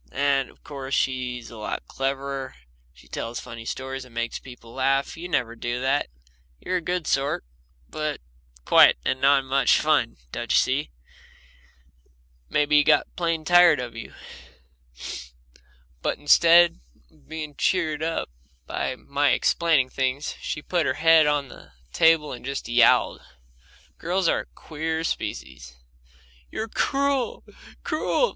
And, of course, she's a lot cleverer. She tells funny stories and makes people laugh; you never do that You're a good sort, but quiet and not much fun, don't you see? Maybe he got plain tired of you." But instead of being cheered up by my explaining things, she put her head on the table and just yowled. Girls are a queer species. "You're cruel, cruel!"